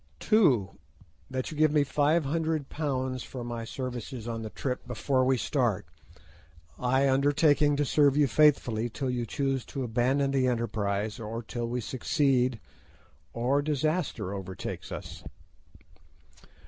"2. That you give me £500 for my services on the trip before we start, I undertaking to serve you faithfully till you choose to abandon the enterprise, or till we succeed, or disaster overtakes us.